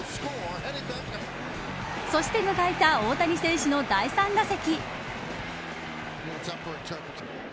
そして迎えた大谷選手の第３打席。